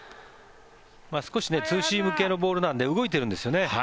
少しツーシーム系のボールなので動いているんですよね。